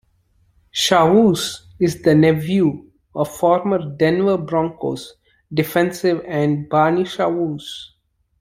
Chavous is the nephew of former Denver Broncos defensive end Barney Chavous.